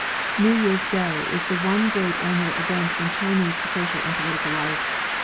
New Year's Day is the one great annual event in Chinese social and political life.